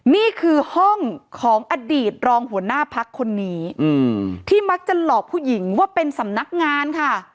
นี่คือห้องของอดีตรองหัวหน้าพักคนนี้ที่มักจะหลอกผู้หญิงว่าเป็นสำนักงานค่ะ